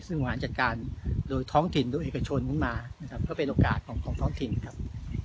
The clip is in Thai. ซึ่งบริหารจัดการโดยท้องถิ่นโดยเอกชนขึ้นมานะครับก็เป็นโอกาสของท้องถิ่นครับ